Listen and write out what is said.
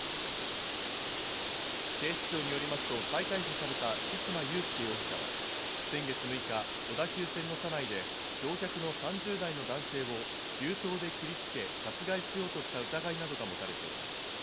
警視庁によりますと再逮捕された対馬悠介容疑者は先月６日、小田急線の車内で乗客の３０代の男性を牛刀で切りつけ、殺害しようとした疑いなどが持たれています。